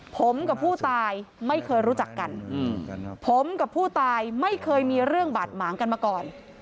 ผมกับผู้ตายไม่เคยรู้จักกันผมกับผู้ตายไม่เคยมีเรื่องบาดหมางกันมาก่อน